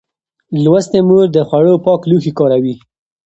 لوستې مور د خوړو پاک لوښي کاروي.